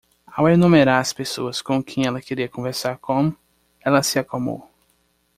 Ao enumerar as pessoas com quem ela queria conversar com?, ela se acalmou.